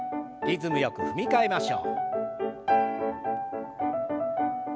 リズムよく踏み替えましょう。